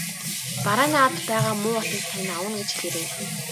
Барааны ард байгаа муу уутыг тань авна гэж хэлээрэй.